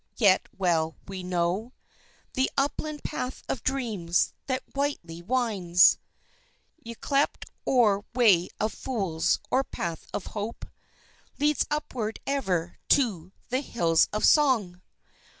Yet well we know The upland Path of Dreams that whitely winds (Yclept or Way of Fools or Path of Hope) Leads upward ever to the Hills of Song!